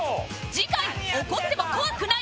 次回怒っても怖くない Ｎｏ．１